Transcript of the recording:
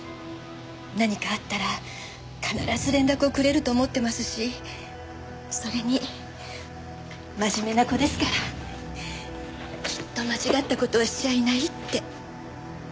何かあったら必ず連絡をくれると思ってますしそれに真面目な子ですからきっと間違った事はしちゃいないって。